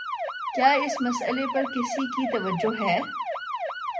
کیا اس مسئلے پر کسی کی توجہ ہے؟